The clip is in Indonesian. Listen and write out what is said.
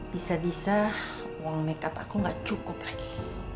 bisa bisa uang makeup aku tidak cukup lagi